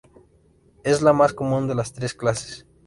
Es la más común de las tres clases.